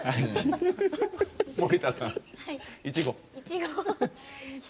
森田さん。